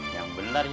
yang bener jon